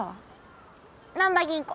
難破吟子。